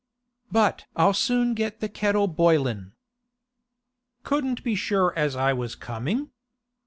But I'll soon get the kettle boilin'.' 'Couldn't be sure as I was coming?